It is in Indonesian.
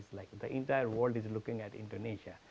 seluruh dunia melihat indonesia